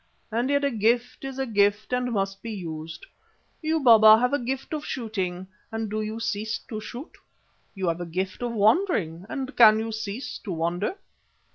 And yet a gift is a gift and must be used. You, Baba, have a gift of shooting and do you cease to shoot? You have a gift of wandering and can you cease to wander?"